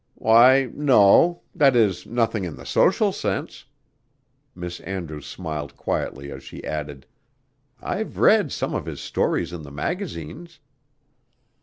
"Why, no that is, nothing in the social sense." Miss Andrews smiled quietly as she added, "I've read some of his stories in the magazines."